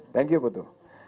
thank you putu